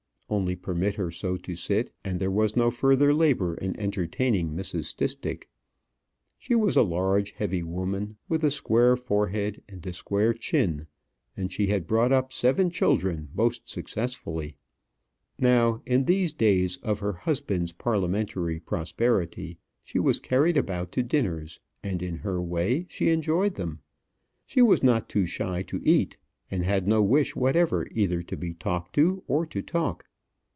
Only permit her so to sit, and there was no further labour in entertaining Mrs. Stistick. She was a large, heavy woman, with a square forehead and a square chin, and she had brought up seven children most successfully. Now, in these days of her husband's parliamentary prosperity, she was carried about to dinners; and in her way she enjoyed them. She was not too shy to eat, and had no wish whatever either to be talked to or to talk.